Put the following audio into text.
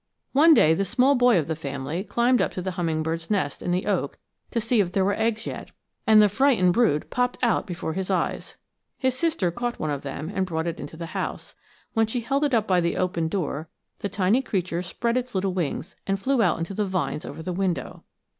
One day the small boy of the family climbed up to the hummingbird's nest in the oak "to see if there were eggs yet," and the frightened brood popped out before his eyes. His sister caught one of them and brought it into the house. When she held it up by the open door the tiny creature spread its little wings and flew out into the vines over the window.